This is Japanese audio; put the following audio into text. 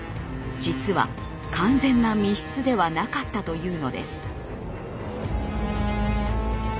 実は完全な密室ではなかったというのです。